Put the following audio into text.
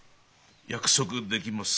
約束できますか？